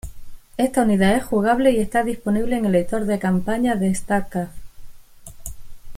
Esta unidad es jugable y está disponible en el Editor de Campañas de Starcraft.